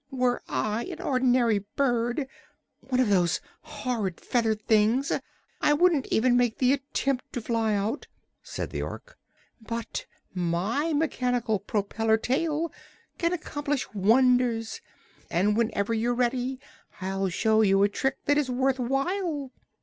"Were I an ordinary bird one of those horrid feathered things I wouldn't even make the attempt to fly out," said the Ork. "But my mechanical propeller tail can accomplish wonders, and whenever you're ready I'll show you a trick that is worth while."